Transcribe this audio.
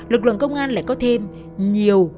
lực lượng công an lại có thêm nhiều